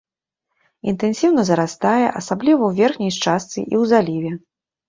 Інтэнсіўна зарастае, асабліва ў верхняй частцы і ў заліве.